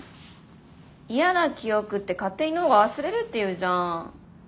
嫌な記憶って勝手に脳が忘れるって言うじゃん？